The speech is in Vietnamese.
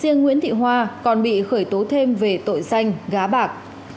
riêng nguyễn thị hoa còn bị khởi tố thêm về tội danh gá bạc